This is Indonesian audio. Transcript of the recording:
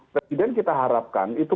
presiden kita harapkan itu